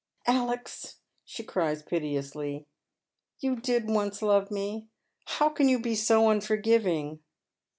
*' Alex," she cries piteously, " you did once love me. How can you be so unforgiving